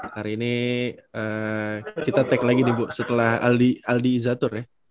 hari ini kita tag lagi nih bu setelah aldi izatur ya